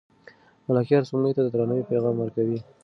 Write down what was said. ملکیار سپوږمۍ ته د درناوي پیغام ورکوي.